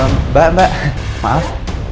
mbak mbak maaf